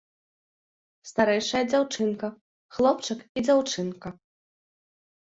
Старэйшая дзяўчынка, хлопчык і дзяўчынка.